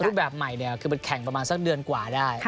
รูปแบบใหม่เนี่ยคือมันแข่งประมาณสักเดือนกว่าได้